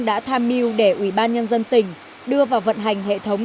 đã tham mưu để ubnd tỉnh đưa vào vận hành hệ thống